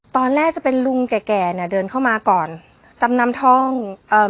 ตอนแรกจะเป็นลุงแก่แก่เนี้ยเดินเข้ามาก่อนจำนำทองเอ่อ